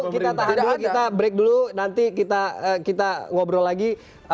kita tahan dulu kita break dulu nanti kita ngobrol lagi